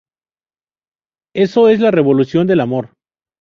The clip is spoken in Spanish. Eso es la revolución del amor.